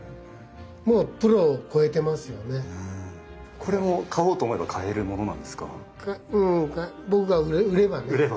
これも買おうと思えば買えるものなんですか？